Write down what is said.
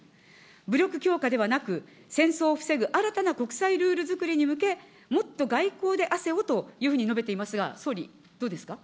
武力強化ではなく、戦争を防ぐ新たな国際ルールづくりに向け、もっと外交で汗をというふうに述べていますが、総理、どうですか。